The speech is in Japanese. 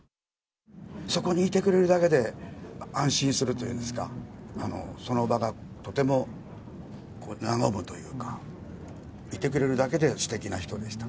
そこにいてくれるだけで安心するというんですか、その場がとても和むというか、いてくれるだけですてきな人でした。